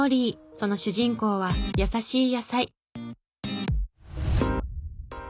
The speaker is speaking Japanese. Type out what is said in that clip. その主人公はやさしい野菜。